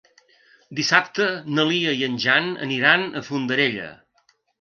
Dissabte na Lia i en Jan aniran a Fondarella.